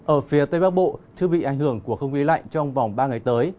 ở phía tây bắc bộ chưa bị ảnh hưởng của không khí lạnh trong vòng ba ngày tới